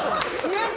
ねっ！